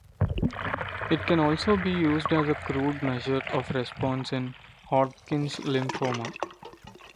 It can also be used as a crude measure of response in Hodgkin's lymphoma.